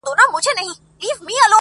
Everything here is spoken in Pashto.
په لسگونو انسانان یې وه وژلي٫